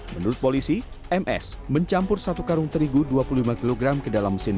menurut polisi ms mencampur satu karung terigu dua puluh lima gelombang